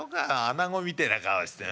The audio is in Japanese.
アナゴみてえな顔して。